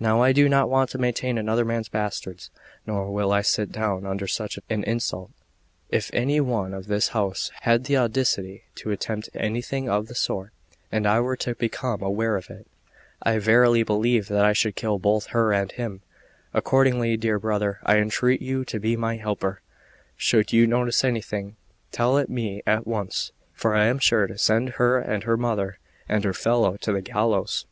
Now I do not want to maintain another man's bastards, nor will I sit down under such an insult. If any one in this house had the audacity to attempt anything of the sort, and I were to become aware of it, I verily believe that I should kill both her and him. Accordingly, dear brother, I entreat you to be my helper; should you notice anything, tell it me at once; for I am sure to send her and her mother and her fellow to the gallows.